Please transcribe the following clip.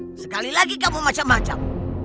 sekali lagi kamu macam macam